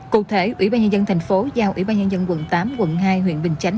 cụ thể ủy ban nhân dân thành phố giao ủy ban nhân dân quận tám quận hai huyện bình chánh